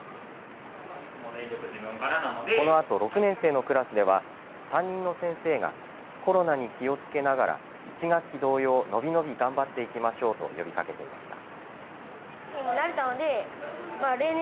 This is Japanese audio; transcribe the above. このあと、６年生のクラスでは担任の先生がコロナに気をつけながら１学期同様のびのび頑張っていきましょうと呼びかけていました。